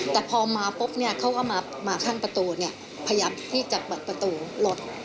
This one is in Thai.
แต่พอมาปุ๊บเนี่ยเขาก็มาข้างประตูพยายามที่จะเปิดประตูรถ